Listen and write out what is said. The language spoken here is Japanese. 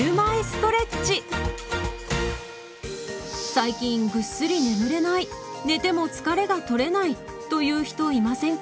最近ぐっすり眠れない寝ても疲れがとれないという人いませんか？